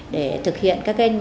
để thực hiện các chương trình